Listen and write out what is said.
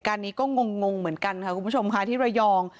นี้ก็งงเหมือนกันค่ะคุณผู้ชมค่ะที่ระยอง